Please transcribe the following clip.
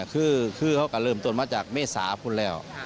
คือเขาก็เริ่มต้นมาจากเมษาคุณแล้ว